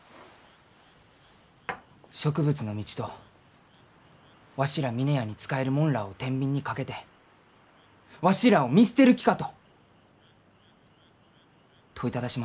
植物の道とわしら峰屋に仕える者らあをてんびんにかけて「わしらあを見捨てる気か？」と問いただしました。